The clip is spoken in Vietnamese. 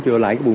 thì đó là một số